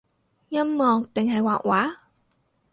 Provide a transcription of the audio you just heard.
音樂定係畫畫？